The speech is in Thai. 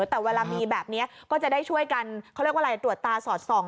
แต่เวลามีแบบนี้ก็จะได้ช่วยกันเขาเรียกว่าอะไรตรวจตาสอดส่อง